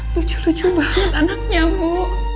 lucu lucu banget anaknya bu